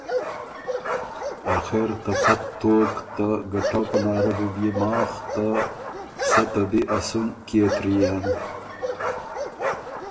آخر ته پۀ طوق ته ګټؤ پناره بُو بيې ماخ ته سۀ ته بی ا سُن کيې تريېن؟“